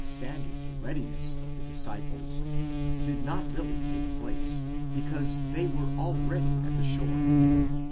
503 standing the readiness of the disciples, did not really take place, because they were already at the shore.